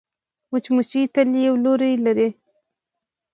مچمچۍ تل یو لوری لري